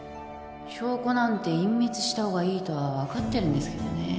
証拠なんて隠滅した方がいいとは分かってるんですけどね